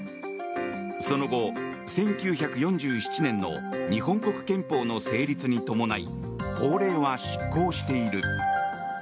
その後、１９４７年の日本国憲法の成立に伴い法令は失効している。